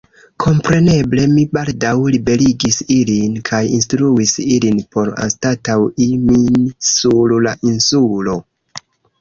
Kompreneble, mi baldaŭ liberigis ilin, kaj instruis ilin por anstataŭi min sur la insulo.